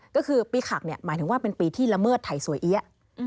ก็คือปีขักหมายถึงว่าเป็นปีที่ละเมิดไทยสวยเอี๊ยะ